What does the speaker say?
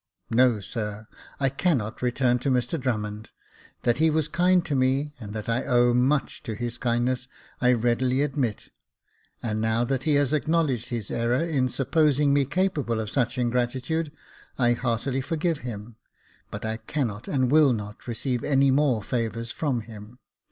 *' No, sir, I cannot return to Mr Drummond : that he was kind to me, and that I owe much to his kindness, I readily admit ; and now that he has acknowledged his error in supposing me capable of such ingratitude, I heartily forgive him •, but I cannot and will not receive any more favours from him.